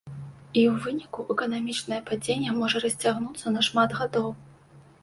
І ў выніку эканамічнае падзенне можа расцягнуцца на шмат гадоў.